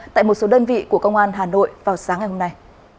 tại một số đơn vị của công an hà nội vào sáng ngày hôm nay